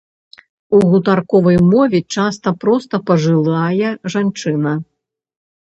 У гутарковай мове часта проста пажылая жанчына.